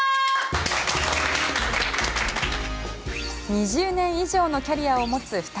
２０年以上のキャリアを持つ２人。